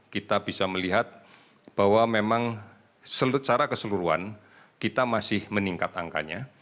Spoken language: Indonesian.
kita bisa melihat bahwa memang secara keseluruhan kita masih meningkat angkanya